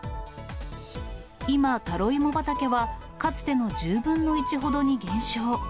今、タロイモ畑はかつての１０分の１ほどに減少。